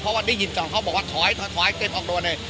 เพราะวันได้ยินก่อนเขาบอกว่าถอยถอยเต้นออกโดนเลย